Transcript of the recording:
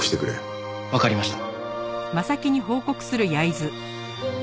わかりました。